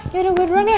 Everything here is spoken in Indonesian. yaudah gue duluan ya